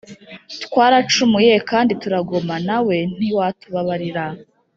“Twaracumuye kandi turagoma, Nawe ntiwatubabarira.